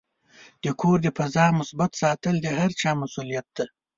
د کور د فضا مثبت ساتل د هر چا مسؤلیت دی.